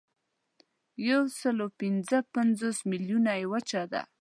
یوسلاوپینځهپنځوس میلیونه یې وچه ده.